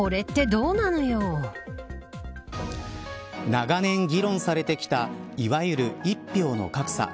長年議論されてきたいわゆる一票の格差。